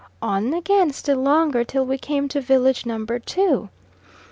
On again, still longer, till we came to village number two.